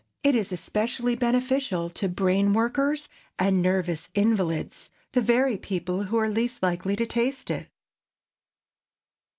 It is especially beneficial to brain workers and nervous invalids—the very people who are least likely to taste it.